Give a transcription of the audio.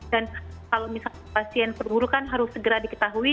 dan kalau misalnya pasien perburukan harus segera diketahui